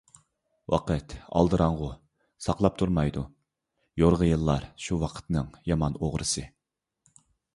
ۋاقىت ئالدىراڭغۇ ساقلاپ تۇرمايدۇ، يورغا يىللار شۇ ۋاقىتنىڭ يامان ئوغرىسى.